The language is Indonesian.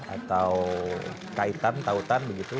atau kaitan tautan begitu